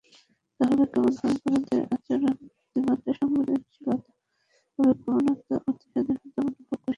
তাহলে কেমন হবে বড়দের আচরণঅতিমাত্রায় সংবেদনশীলতা, আবেগপ্রবণতা, অতি স্বাধীনচেতা মনোভাব কৈশোরের স্বাভাবিক বৈশিষ্ট্য।